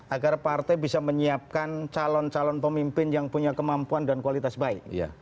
agar partai bisa menyiapkan calon calon pemimpin yang punya kemampuan dan kualitas baik